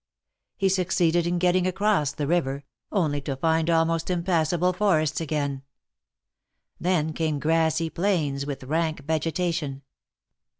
He succeeded in getting across the river, only to THE MARKETS OF PARIS. 119 find almost impassable forests again. Then came grassy plains with rank vegetation.